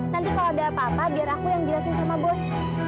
nanti kalau ada apa apa biar aku yang jelasin sama bos